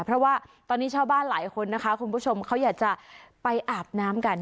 เพราะว่าตอนนี้ชาวบ้านหลายคนนะคะคุณผู้ชมเขาอยากจะไปอาบน้ำกัน